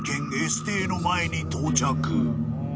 Ｓ邸の前に到着